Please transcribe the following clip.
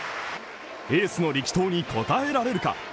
エースの力投に応えられるか。